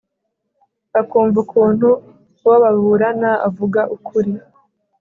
akumva ukuntu uwo baburana avuga ukuri